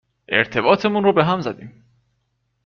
ارتباطمون رو بهم زدیم